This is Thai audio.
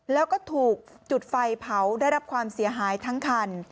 แล้วก็ถูกจุดไฟเผาได้รับความเสียหายทั้งคัน